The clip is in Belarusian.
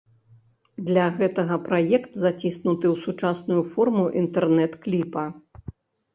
Для гэтага праект заціснуты ў сучасную форму інтэрнэт-кліпа.